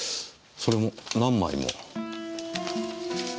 それも何枚も。